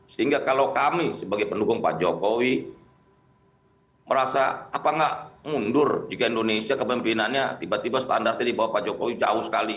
sehingga kalau kami sebagai pendukung pak jokowi merasa apa enggak mundur jika indonesia kepemimpinannya tiba tiba standarnya di bawah pak jokowi jauh sekali